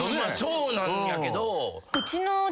そうなんやけど。